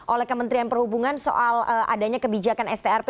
oleh kementerian perhubungan soal adanya kebijakan strp